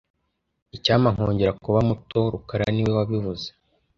Icyampa nkongera kuba muto rukara niwe wabivuze